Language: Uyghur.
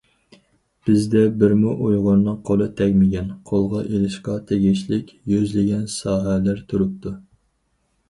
بىزدە بىرمۇ ئۇيغۇرنىڭ قولى تەگمىگەن، قولغا ئېلىشقا تېگىشلىك يۈزلىگەن ساھەلەر تۇرۇپتۇ.